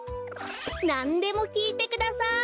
なんでもきいてください。